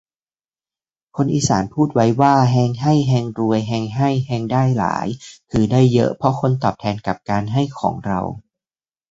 คนอีสานพูดไว้ว่า แฮงให้ แฮงรวย แฮงให้ แฮงได้หลาย คือ ได้เยอะเพราะคนตอบแทนกับการให้ของเรา